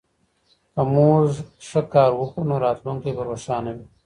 که موږ ښه کار وکړو نو راتلونکی به روښانه وي.